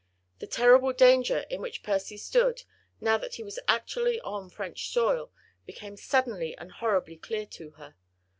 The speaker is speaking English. The terrible danger in which Percy stood, now that he was actually on French soil, became suddenly and horribly clear to her.